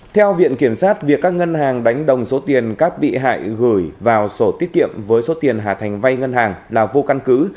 theo viện kiểm sát việc các ngân hàng đánh đồng số tiền các bị hại gửi vào sổ tiết kiệm với số tiền hà thành vay ngân hàng là vô căn cứ